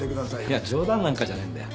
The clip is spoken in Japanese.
いや冗談なんかじゃねえんだよ。